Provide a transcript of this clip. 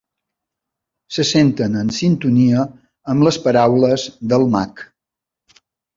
Se senten en sintonia amb les paraules del mag.